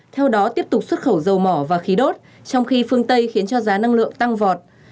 theo đó tiếp tục xuất khẩu dầu mỏ và khí đốt trong khi phương tây khiến cho giá năng lượng tăng vọt